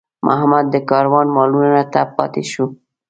محمد د کاروان مالونو ته پاتې شو.